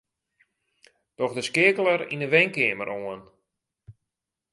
Doch de skeakeler yn 'e wenkeamer oan.